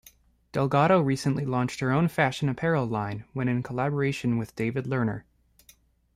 Delgado recently launched her own fashion apparel line in collaboration with David Lerner.